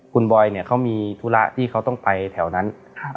คุณบอยเนี่ยเขามีธุระที่เขาต้องไปแถวนั้น